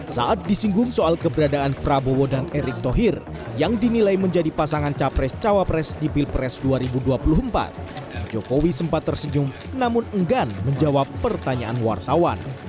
saat disinggung soal keberadaan prabowo dan erick thohir yang dinilai menjadi pasangan capres cawapres di pilpres dua ribu dua puluh empat jokowi sempat tersenyum namun enggan menjawab pertanyaan wartawan